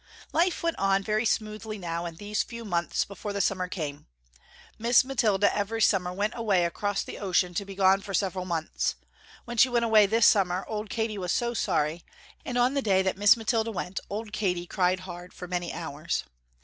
Life went on very smoothly now in these few months before the summer came. Miss Mathilda every summer went away across the ocean to be gone for several months. When she went away this summer old Katy was so sorry, and on the day that Miss Mathilda went, old Katy cried hard for many hours.